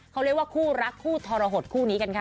เขาเรียกว่าคู่รักคู่ทรหดคู่นี้กันค่ะ